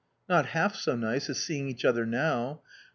"Not half so nice as seeing each other now.